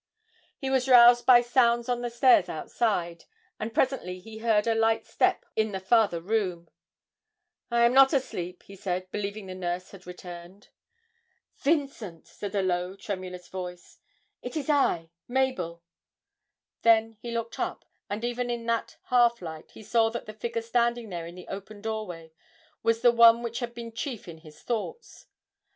He was roused by sounds on the stairs outside, and presently he heard a light step in the farther room. 'I am not asleep,' he said, believing the nurse had returned. 'Vincent,' said a low tremulous voice, 'it is I Mabel.' Then he looked up, and even in that half light he saw that the figure standing there in the open doorway was the one which had been chief in his thoughts.